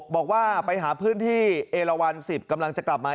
บอกว่าไปหาพื้นที่เอลวัน๑๐กำลังจะกลับมา